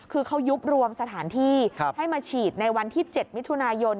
คือเขายุบรวมสถานที่ให้มาฉีดในวันที่๗มิถุนายน